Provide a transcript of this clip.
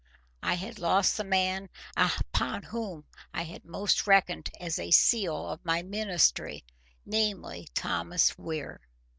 I had lost the man upon whom I had most reckoned as a seal of my ministry, namely, Thomas Weir.